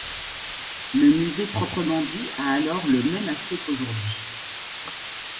Le musée proprement dit a alors le même aspect qu'aujourd'hui.